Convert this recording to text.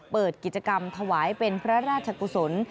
เปิดกิจกรรมถวายเป็นพระราชกุศล